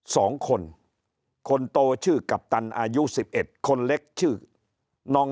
สองคนคนโตชื่อกัปตันอายุสิบเอ็ดคนเล็กชื่อน้อง